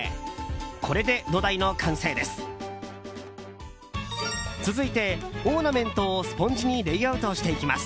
これで土台の完成です。